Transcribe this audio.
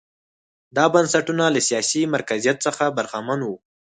دا بنسټونه له سیاسي مرکزیت څخه برخمن وو.